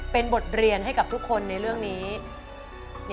เป็นบทเรียนให้กับทุกคนในเรื่องนี้